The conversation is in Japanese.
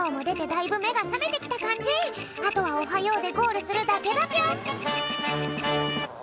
あとは「おはよう」でゴールするだけだぴょん。